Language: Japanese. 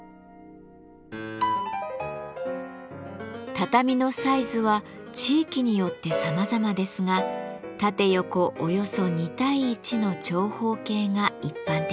畳のサイズは地域によってさまざまですが縦横およそ２対１の長方形が一般的です。